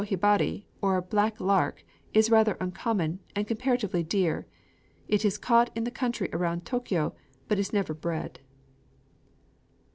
_ The kuro hibari, or "Black Lark," is rather uncommon, and comparatively dear. It is caught in the country about Tōkyō, but is never bred.